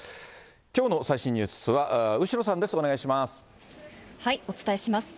きょうの最新ニュースは後呂さんです、お伝えします。